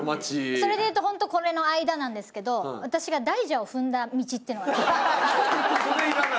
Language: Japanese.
それで言うと本当これの間なんですけど私が大蛇を踏んだ道っていうのがあって。